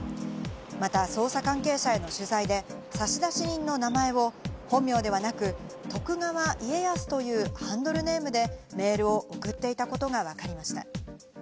また捜査関係者への取材で差出人の名前を本名ではなく、徳川家康というハンドルネームでメールを送っていたことがわかりました。